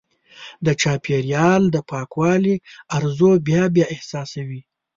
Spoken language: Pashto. د چاپېریال د پاکوالي ارزو بیا بیا احساسوو.